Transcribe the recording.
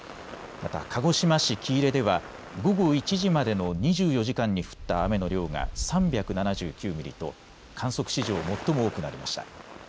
また鹿児島市喜入では午後１時までの２４時間に降った雨の量が３７９ミリと観測史上最も多くなりました。